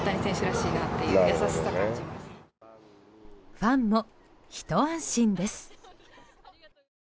ファンも、ひと安心です。